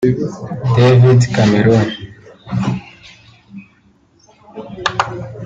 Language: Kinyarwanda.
David Cameron